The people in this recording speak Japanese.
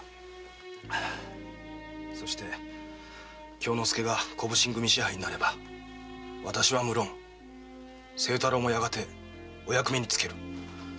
京之介が小普請組支配になれば私は無論清太郎もやがてお役目に就ける。